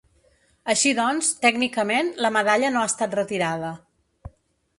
Així doncs, tècnicament, la medalla no ha estat retirada.